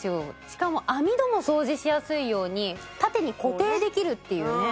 しかも網戸も掃除しやすいように縦に固定できるっていうね